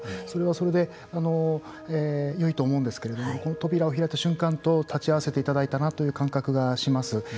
それはそれでよいと思うんですけれどもこの扉を開いた瞬間と立ち会わせていただいたなという感覚がします。